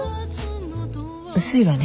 薄いわね。